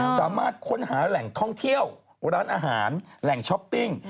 สามารถค้นหาแหล่งท่องเที่ยวร้านอาหารแหล่งช้อปปิ้ง